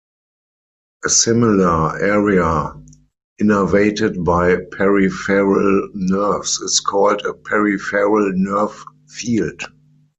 A similar area innervated by peripheral nerves is called a peripheral nerve field.